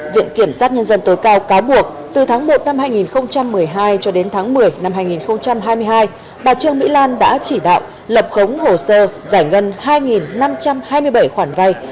viện kiểm sát nhân dân tối cao cáo buộc từ tháng một năm hai nghìn một mươi hai cho đến tháng một mươi năm hai nghìn hai mươi hai bà trương mỹ lan đã chỉ đạo lập khống hồ sơ giải ngân hai năm trăm hai mươi bảy khoản vay